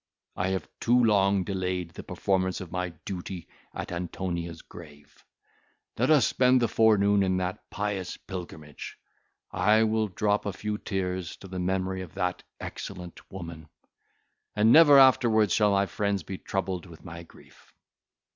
I have too long delayed the performance of my duty at Antonia's grave—let us spend the forenoon in that pious pilgrimage—I will drop a few tears to the memory of that excellent woman, and never afterwards shall my friends be troubled with my grief."